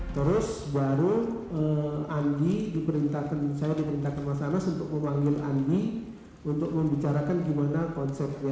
terus baru andi diperintahkan saya diperintahkan mas anas untuk memanggil andi untuk membicarakan gimana konsepnya